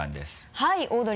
はい。